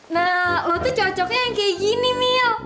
nah lo tuh cocoknya yang kayak gini mil